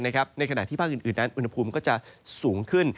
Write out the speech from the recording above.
ในขณะที่ภาคอื่นนั้นอุณหภูมิก็จะสูงขึ้น